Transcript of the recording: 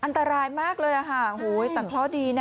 อันตรายมากเลยแล้วค่ะแต่เค้าดีนะ